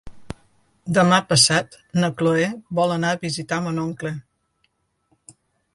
Demà passat na Cloè vol anar a visitar mon oncle.